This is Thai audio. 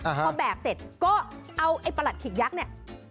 พอแบกเสร็จก็เอาไอ้ประหลัดขิกยักษ์เนี่ย